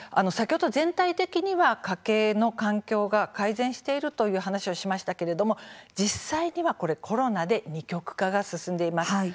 先ほど全体的には家計の環境は改善していると話しましたが実際にはコロナで二極化が進んでいます。